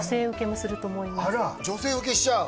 女性ウケしちゃう。